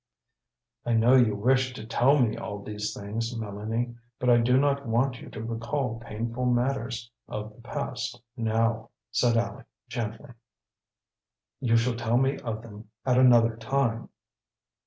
"I know you wish to tell me all these things, Mélanie, but I do not want you to recall painful matters of the past now," said Aleck gently. "You shall tell me of them at another time."